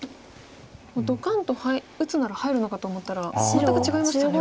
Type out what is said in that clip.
もうドカンと打つなら入るのかと思ったら全く違いましたね